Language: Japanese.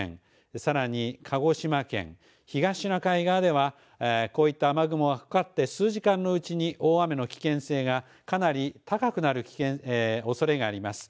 さらに鹿児島県、東シナ海側ではこういった雨雲がかかって数時間のうちに大雨の危険性がかなり高くなるおそれがあります。